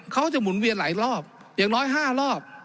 เขาจะหมุนเวียนหลายรอบอย่างน้อย๕รอบ